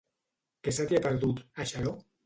Què se t'hi ha perdut, a Xaló?